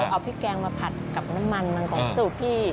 เอาพริกแกงมาผัดกับน้ำมันมันของสูตรพี่